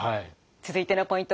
続いてのポイント